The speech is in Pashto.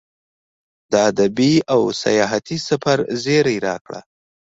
د ادبي او سیاحتي سفر زیری یې راکړ.